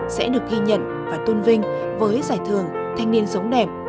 sẽ được ghi nhận và tôn vinh với giải thưởng thanh niên sống đẹp